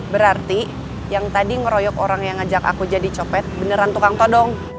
berarti yang tadi ngeroyok orang yang ngajak aku jadi copet beneran tukang todong